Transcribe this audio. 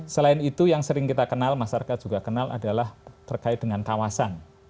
selain itu yang sering kita kenal masyarakat juga kenal adalah terkait dengan kawasan